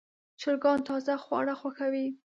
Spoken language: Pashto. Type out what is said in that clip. چرګان تازه خواړه خوښوي.